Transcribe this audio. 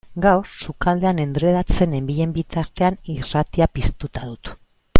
Gaur, sukaldean endredatzen nenbilen bitartean, irratia piztuta dut.